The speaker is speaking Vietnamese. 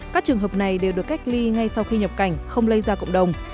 các trường hợp này đều được cách ly ngay sau khi nhập cảnh không lây ra cộng đồng